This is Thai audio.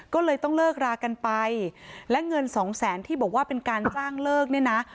ก็เลยต้องเลิกรากันไปและเงินสองแสนที่บอกว่าเป็นการจ้างเลิกเนี่ยนะ